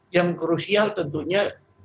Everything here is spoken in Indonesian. yang krusial tentunya